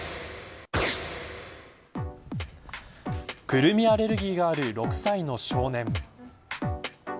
クルミアレルギーがある６歳の少年。